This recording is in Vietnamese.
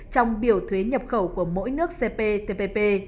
trong biểu thuế nhập khẩu của mỗi nước cptpp